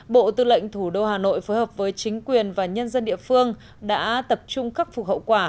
bộ tư lệnh thủ đô hà nội phối hợp với chính quyền và nhân dân địa phương đã tập trung khắc phục hậu quả